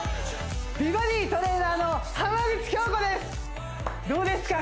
美バディトレーナーの浜口京子ですどうですか